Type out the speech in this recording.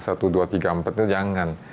satu dua tiga empat itu jangan